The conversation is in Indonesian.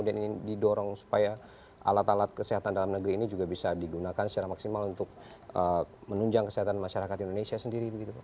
ini didorong supaya alat alat kesehatan dalam negeri ini juga bisa digunakan secara maksimal untuk menunjang kesehatan masyarakat indonesia sendiri